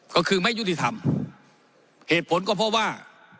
ก็คือไม่ยุติธรรมเหตุผลก็เพราะว่า